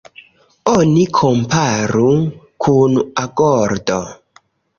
Oni komparu kun agordo.